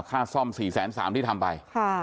ค่าซ่อม๔๓๐๐๐๐บาทที่ทำไป